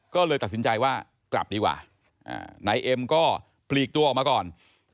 ก็เลยตัดสินใจว่ากลับดีกว่านายเอ็มก็ปลีกตัวออกมาก่อน